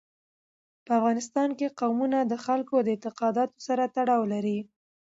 په افغانستان کې قومونه د خلکو د اعتقاداتو سره تړاو لري.